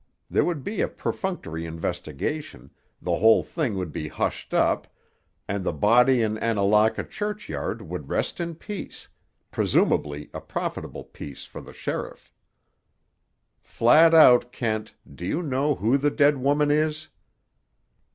There would be a perfunctory investigation, the whole thing would be hushed up, and the body in Annalaka churchyard would rest in peace—presumably a profitable peace for the sheriff." "Flat out, Kent, do you know who the dead woman is?"